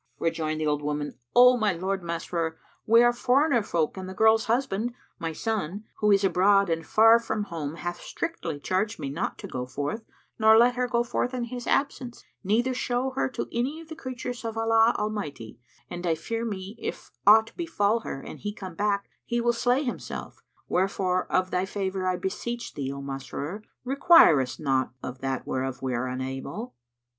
Rejoined the old woman, "O my lord Masrur, we are foreigner folk and the girl's husband (my son) who is abroad and far from home hath strictly charged me not to go forth nor let her go forth in his absence, neither show her to any of the creatures of Allah Almighty; and I fear me, if aught befal her and he come back, he will slay himself; wherefore of thy favour I beseech thee, O Masrur, require us not of that whereof we are unable."